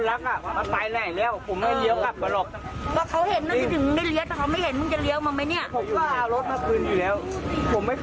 รักอ่ะมันไปไหนแล้วผมไม่ทำกับมาหรอก